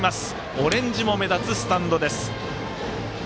オレンジも目立つスタンドです。